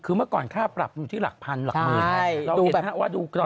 คือเมื่อก่อนค่าปรับอยู่ที่หลักพันหลักหมื่น